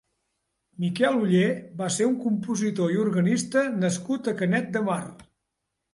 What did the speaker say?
Miquel Oller va ser un compositor i organista nascut a Canet de Mar.